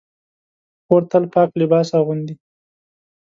خور تل پاک لباس اغوندي.